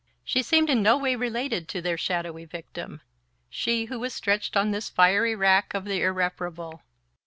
She seemed in no way related to their shadowy victim, she who was stretched on this fiery rack of the irreparable.